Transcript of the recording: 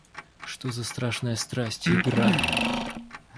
Что за страшная страсть — игра!